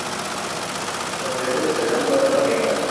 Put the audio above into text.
Estos procesos se dan toda la vida.